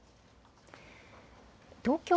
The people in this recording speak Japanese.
東京